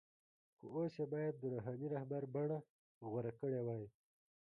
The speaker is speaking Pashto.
خو اوس یې باید د “روحاني رهبر” بڼه غوره کړې وای.